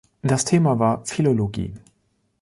Das Thema war Philologie.